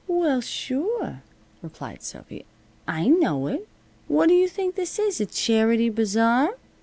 "Well, sure," replied Sophy. "I know it. What do you think this is? A charity bazaar?"